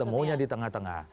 ketemunya di tengah tengah